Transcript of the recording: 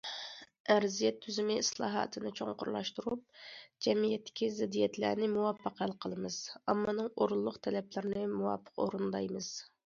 ئەرزىيەت تۈزۈمى ئىسلاھاتىنى چوڭقۇرلاشتۇرۇپ، جەمئىيەتتىكى زىددىيەتلەرنى مۇۋاپىق ھەل قىلىمىز، ئاممىنىڭ ئورۇنلۇق تەلەپلىرىنى مۇۋاپىق ئورۇندايمىز.